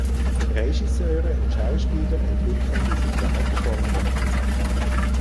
Regisseure und Schauspieler entwickeln diese Theaterform gemeinsam.